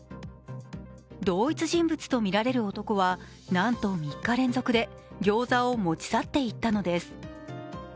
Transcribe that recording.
同一人物とみられる男は、なんと３日連続でギョーザを持ち去っていったのです。